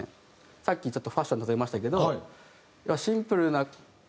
さっきちょっとファッションで例えましたけど。